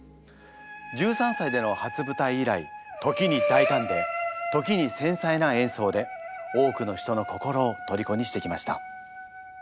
１３歳での初舞台以来時に大胆で時に繊細な演奏で多くの人の心をとりこにしてきました。